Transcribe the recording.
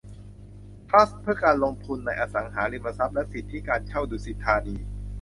ทรัสต์เพื่อการลงทุนในอสังหาริมทรัพย์และสิทธิการเช่าดุสิตธานี